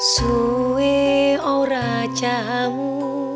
suwi ora jamu